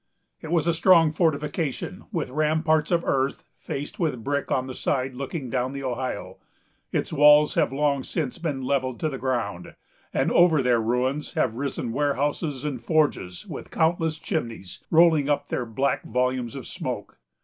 It was a strong fortification, with ramparts of earth, faced with brick on the side looking down the Ohio. Its walls have long since been levelled to the ground, and over their ruins have risen warehouses, and forges with countless chimneys, rolling up their black volumes of smoke.